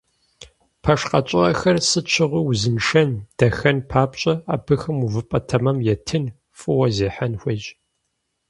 Пэш къэкӏыгъэхэр сыт щыгъуи узыншэн, дахэн папщӏэ, абыхэм увыпӏэ тэмэм етын, фӏыуэ зехьэн хуейщ.